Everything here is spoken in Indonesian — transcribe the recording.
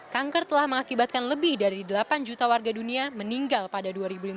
kanker telah mengakibatkan lebih dari delapan juta warga dunia meninggal pada dua ribu lima belas